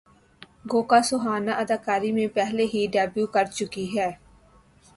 گوکہ سہانا اداکاری میں پہلے ہی ڈیبیو کرچکی ہیں